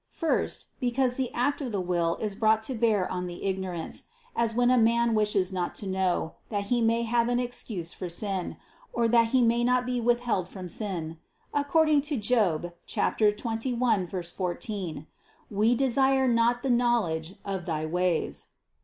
First, because the act of the will is brought to bear on the ignorance: as when a man wishes not to know, that he may have an excuse for sin, or that he may not be withheld from sin; according to Job 21:14: "We desire not the knowledge of Thy ways."